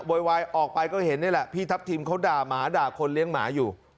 โวยวายออกไปก็เห็นนี่แหละพี่ทัพทิมเขาด่าหมาด่าคนเลี้ยงหมาอยู่